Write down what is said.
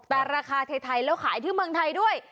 แต่ราคาไทยแล้วขายที่เมืองไทยด้วย